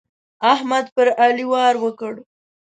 احمد پر علي وار وکړ.